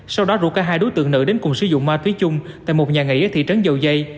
sau đó rủ cả hai đối tượng nữ đến cùng sử dụng ma túy chung tại một nhà nghỉ ở thị trấn dầu dây